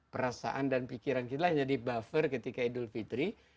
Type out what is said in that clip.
perasaan dan pikiran kita jadi buffer ketika idul fitri